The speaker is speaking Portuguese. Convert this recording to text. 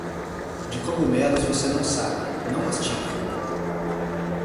De cogumelos você não sabe, não mastiga.